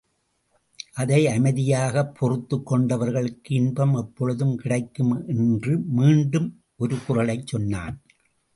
அதை அமைதியாகப் பொறுத்துக் கொண்டவர்களுக்கு இன்பம் எப்பொழுதும் கிடைக்கும் என்று மீண்டும் ஒரு குறளைச் சொன்னான்.